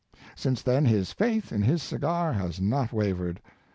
Since then his faith in his cigar has not wavered